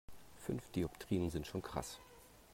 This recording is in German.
Fünf Dioptrien sind schon krass.